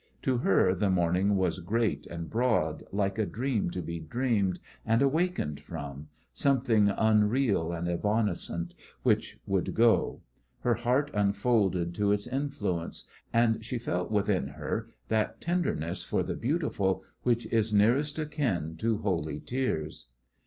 To her the morning was great and broad, like a dream to be dreamed and awakened from, something unreal and evanescent which would go. Her heart unfolded to its influence, and she felt within her that tenderness for the beautiful which is nearest akin to holy tears.